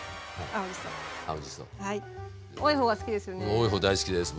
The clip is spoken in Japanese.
多い方が好きですよね？